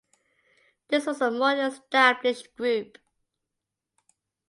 This was a more established group.